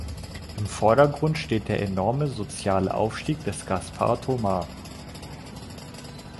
Im Vordergrund steht der enorme soziale Aufstieg des Gaspard Thomas.